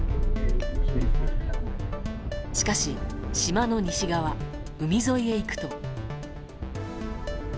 しかし、島の西側海沿いへ行くと。